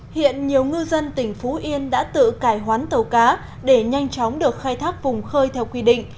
hiện nhiều ngư dân tỉnh phú yên đã tự cải hoán tàu cá để nhanh chóng được khai thác vùng khơi theo quy định